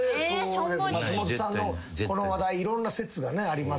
松本さんのこの話題いろんな説がありますけど。